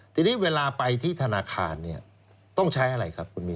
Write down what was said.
ทีนี้เวลาไปที่ธนาคารเนี่ยต้องใช้อะไรครับคุณมิน